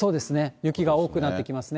雪が多くなってきますね。